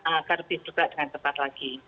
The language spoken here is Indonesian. agar bisa bergerak dengan cepat lagi